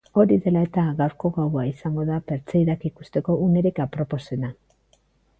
Hori dela eta, gaurko gaua izango da pertseidak ikusteko unerik aproposena.